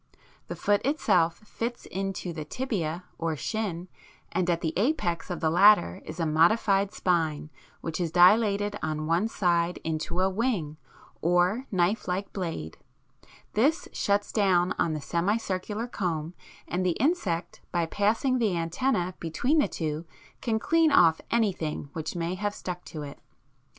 The foot itself fits into the tibia or shin, and at the apex of the latter is a modified spine which is dilated on one side into a wing, or knife like blade; this shuts down on to the semicircular comb, and the insect by passing the antennæ between the two can clean off anything which may have stuck to it (fig.